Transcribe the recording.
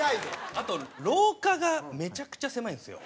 あと廊下がめちゃくちゃ狭いんですよ